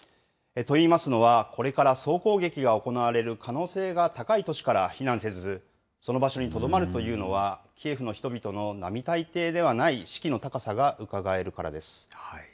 といいますのは、これから総攻撃が行われる可能性が高い都市から避難せず、その場所にとどまるというのは、キエフの人々の並大抵ではない士気の高さがうかがえるからです。